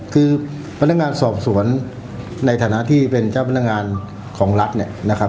คือพนักงานสอบสวนในฐานะที่เป็นเจ้าพนักงานของรัฐเนี่ยนะครับ